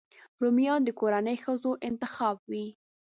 رومیان د کورنۍ ښځو انتخاب وي